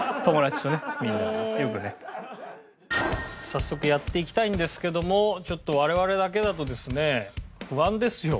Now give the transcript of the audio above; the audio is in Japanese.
早速やっていきたいんですけどもちょっと我々だけだとですね不安ですよ。